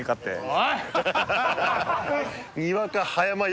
おい！